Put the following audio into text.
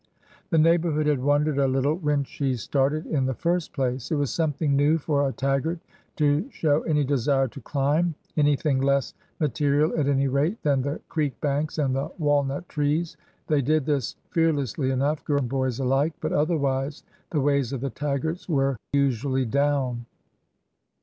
The neighborhood had wondered a little when she started, in the first place. It was something new for a Taggart to show any desire to climb— anything less ma terial, at any rate, than the creek banks and the walnut trees. They did this fearlessly enough, girl and boys alike; but otherwise the ways of the Taggarts were usu ally down.